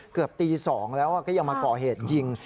เกือบตี๒แล้วก็ยังมาก่อเหตุยิง